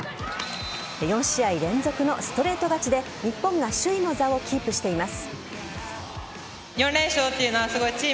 ４試合連続のストレート勝ちで日本が首位の座をキープしています。